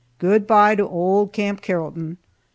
Good bye to old Camp Carrollton!